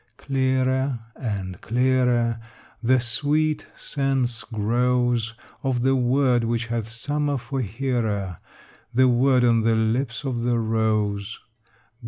Clearer and clearer The sweet sense grows Of the word which hath summer for hearer, The word on the lips of the rose.